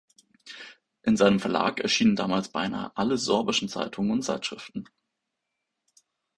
In seinem Verlag erschienen damals beinahe alle sorbischen Zeitungen und Zeitschriften.